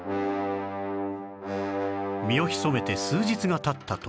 身を潜めて数日が経った時